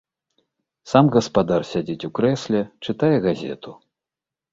Сам гаспадар сядзіць у крэсле, чытае газету.